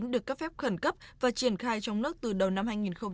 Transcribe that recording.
được cấp phép khẩn cấp và triển khai trong nước từ đầu năm hai nghìn hai mươi